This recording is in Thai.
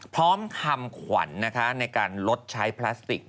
พร้อมคำขวัญในการลดใช้พลาสติก